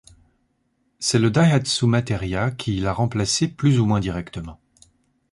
C'est le Daihatsu Materia qui l'a remplacé plus ou moins directement.